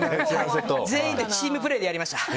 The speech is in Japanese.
全員でチームプレーでやりました。